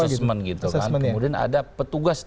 assessment kemudian ada petugas